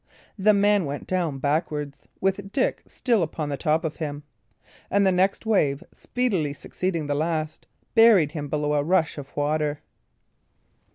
The man went down backwards, with Dick still upon the top of him; and the next wave, speedily succeeding to the last, buried him below a rush of water.